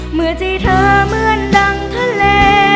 เมื่อจีเธอเหมือนดังทะเล